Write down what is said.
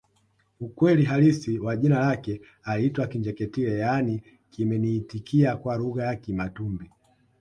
Ukweli halisi wa jina lake aliitwa Kinjeketile yaani kimeniitikia kwa lugha ya Kimatumbi